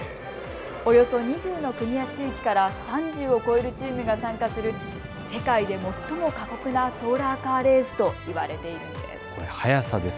およそ２０の国や地域から３０を超えるチームが参加する世界で最も過酷なソーラーカーレースといわれているんです。